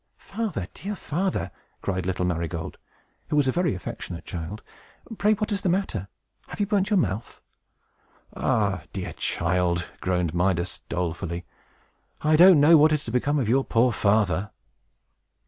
"Father, dear father!" cried little Marygold, who was a very affectionate child, "pray what is the matter? Have you burnt your mouth?" "Ah, dear child," groaned Midas, dolefully, "I don't know what is to become of your poor father!"